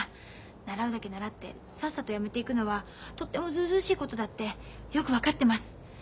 習うだけ習ってさっさと辞めていくのはとってもずうずうしいことだってよく分かってます。